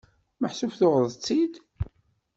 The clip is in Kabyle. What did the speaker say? Meḥsub tuɣeḍ-tt-id?